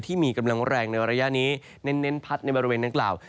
ที่มีกำลังแรงในระยะนี้เน้นพัดในบริเวณดังกล่าว